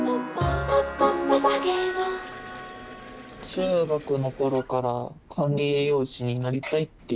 中学の頃から管理栄養士になりたいって。